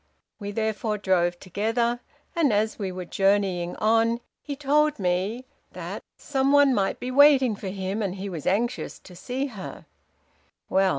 We therefore drove together, and as we were journeying on, he told me that 'some one might be waiting for him, and he was anxious to see her'; well!